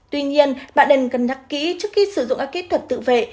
tuy nhiên bạn nên cân nhắc kỹ trước khi sử dụng ác kích thuật tự vệ